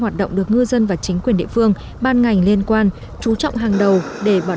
vấn đề của ngư dân và chính quyền địa phương ban ngành liên quan chú trọng hàng đầu để bảo